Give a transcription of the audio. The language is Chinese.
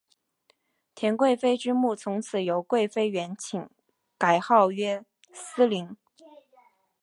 田贵妃之墓从此由贵妃园寝改号曰思陵。